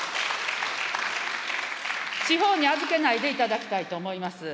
地方に預けないでいただきたいと思います。